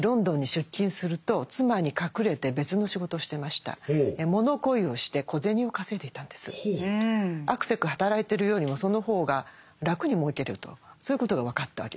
しかし実はですねあくせく働いてるよりもその方が楽に儲けるとそういうことが分かったわけです。